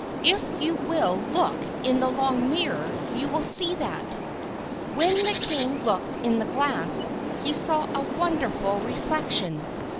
"If you will look in the long mirror, you will see that." When the king looked in the glass, he saw a wonderful reflection.